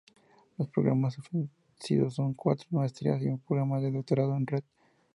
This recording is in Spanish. Los programas ofrecidos son cuatro maestrías y un programa de Doctorado en Red.